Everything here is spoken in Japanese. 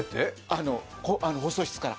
放送室から。